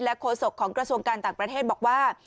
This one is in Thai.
โฆษกของกระทรวงการต่างประเทศบอกว่า